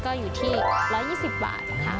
ก็อยู่ที่๑๒๐บาทค่ะ